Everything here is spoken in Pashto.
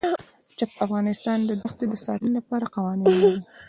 افغانستان د دښتې د ساتنې لپاره قوانین لري.